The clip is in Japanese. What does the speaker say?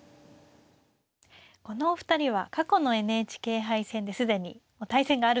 このお二人は過去のＮＨＫ杯戦で既に対戦があるんですね。